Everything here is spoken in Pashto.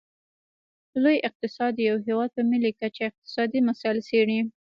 لوی اقتصاد د یو هیواد په ملي کچه اقتصادي مسایل څیړي